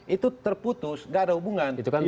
itu terputus nggak ada hubungan